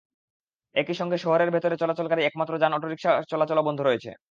একই সঙ্গে শহরের ভেতরে চলাচলকারী একমাত্র যান অটোরিকশা চলাচলও বন্ধ রয়েছে।